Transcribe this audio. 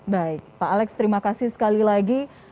baik pak alex terima kasih sekali lagi